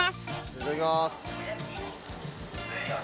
いただきます。